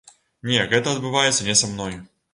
Не, гэта адбываецца не са мной.